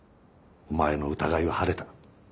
お前の疑いは晴れた。